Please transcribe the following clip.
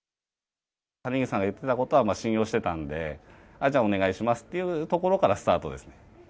谷口さんが言ってたことは、信用してたんで、じゃあ、お願いしますっていうところからスタートですね。